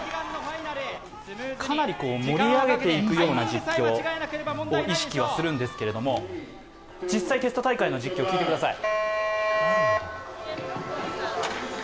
かなり盛り上げていくような実況を意識はするんですが、実際のテスト大会の実況を聞いてください。